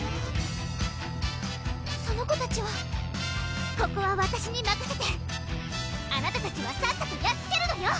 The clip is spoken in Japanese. その子たちはここはわたしにまかせてあなたたちはさっさとやっつけるのよ！